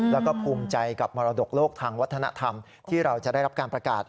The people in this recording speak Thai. แล้วก็ภูมิใจกับมรดกโลกทางวัฒนธรรมที่เราจะได้รับการประกาศ